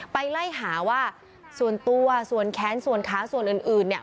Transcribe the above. ไปไล่หาว่าส่วนตัวส่วนแค้นส่วนขาส่วนอื่นเนี่ย